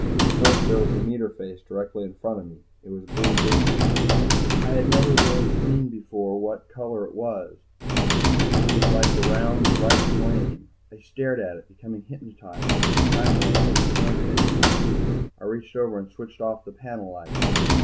First there was the meter face directly in front of me. It was blue green. I had never really seen before what color it was. It was like a round, bright flame. I stared at it, becoming hypnotized. Finally I couldn't stand it any more, I reached over and switched off the panel lights.